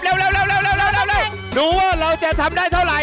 เร็วเร็วเร็วเร็วเร็วเร็วดูว่าเราจะทำได้เท่าไร